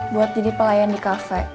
buat jadi pelayan di kafe